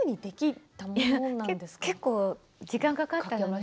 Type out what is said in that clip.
結構時間かかったよね。